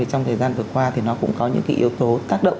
trong thời gian vừa qua thì nó cũng có những yếu tố tác động